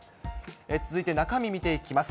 続いて中身見ていきます。